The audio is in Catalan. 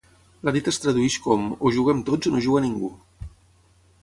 La dita es tradueix com: O juguem tots o no juga ningú!